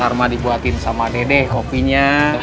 karma dibuatin sama dede kopinya